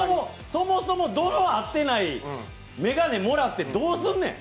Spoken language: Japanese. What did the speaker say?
そもそも、度の合ってない眼鏡もらってどうすんねん。